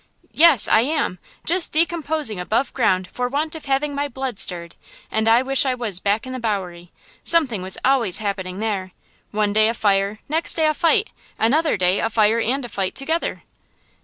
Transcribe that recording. '" "Yes. I am! just decomposing above ground for want of having my blood stirred, and I wish I was back in the Bowery! Something was always happening there! One day a fire, next day a fight, another day a fire and a fight together."